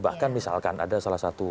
bahkan misalkan ada salah satu